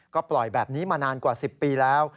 ก็ปล่อยแบบนี้มานานกว่า๑๐ปีแล้ว